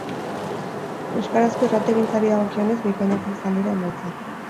Euskarazko irratigintzari dagokionez, bikainak izan dira emaitzak.